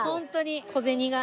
小銭が。